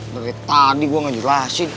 dari tadi gue gak jelasin